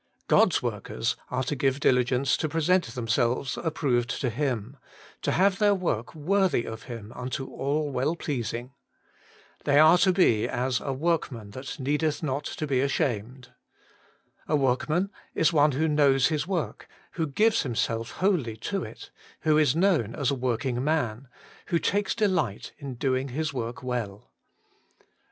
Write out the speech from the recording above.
God's workers are to give diligence to present themselves ap proved to Him ; to have their work worthy of Him unto all well pleasing. They are to be as a workman that needeth not to be ashamed. A workman is one who knows his work, who gives himself wholly to it, who is known as a working man, who takes delight in doing his work well.